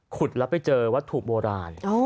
ขุดแล้วไปเจอวัตถุโบราณ